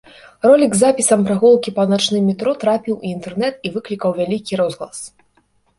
Ролік з запісам прагулкі па начным метро трапіў у інтэрнэт і выклікаў вялікі розгалас.